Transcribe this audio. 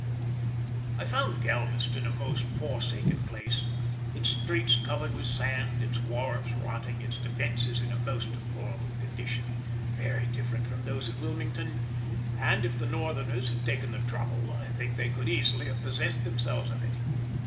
I found Galveston a most forsaken place; its streets covered with sand, its wharves rotting, its defences in a most deplorable condition, very different from those at Wilmington, and if the Northerners had taken the trouble I think that they could easily have possessed themselves of it.